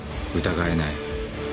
疑えない？